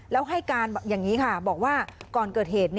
แล้วให้การอย่างนี้ค่ะบอกว่าก่อนเกิดเหตุ